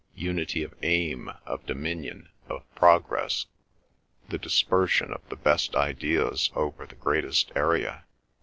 Unity of aim, of dominion, of progress. The dispersion of the best ideas over the greatest area."